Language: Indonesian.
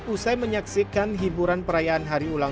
usai menyaksikan hiburan perayaan hari ulang